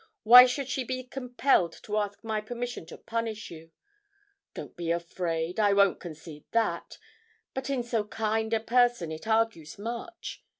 why should she be compelled to ask my permission to punish you? Don't be afraid, I won't concede that. But in so kind a person it argues much.